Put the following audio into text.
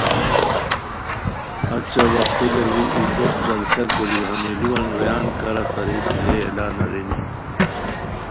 اچہ وختو لوڑی ای لوٹ جلسہ کوری ہمی لُووان رویان کارا تارئیسی رے اعلان ارینی